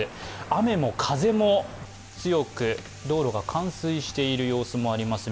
雨も風も強く、道路が冠水している様子もあります。